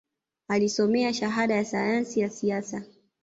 Alisomea Shahada ya Sayansi ya Siasa